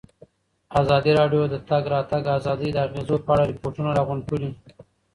ازادي راډیو د د تګ راتګ ازادي د اغېزو په اړه ریپوټونه راغونډ کړي.